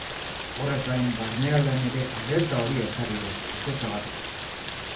Horrez gain, barnealdean ere alerta horia ezarri du, izotzagatik.